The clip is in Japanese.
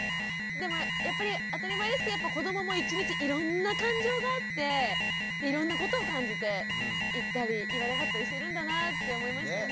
でもやっぱり当たり前ですけど子どもも一日いろんな感情があっていろんなことを感じて言ったり言わなかったりしてるんだなって思いましたね。